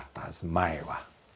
前は。